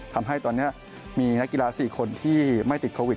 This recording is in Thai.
ทำให้ตอนนี้มีนักกีฬา๔คนที่ไม่ติดโควิด